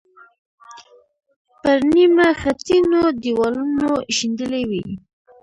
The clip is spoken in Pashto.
پر نیمه خټینو دیوالونو شیندلې وې.